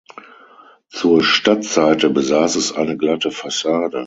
Zur Stadtseite besaß es eine glatte Fassade.